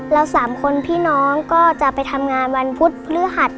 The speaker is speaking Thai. เราสามคนพี่น้องก็จะไปทำงานวันพุธพฤหัส